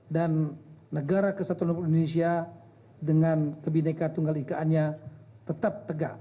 dan negara kesatuan republik indonesia dengan kebindai katungan ikaannya tetap tegak